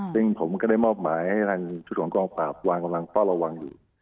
ซึ่งผมก็ได้มอบหมายให้ทางชุดของกองปราบวางกำลังเฝ้าระวังอยู่